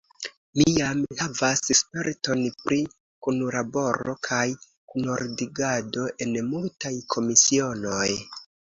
Mi jam havas sperton pri kunlaboro kaj kunordigado en multaj komisionoj.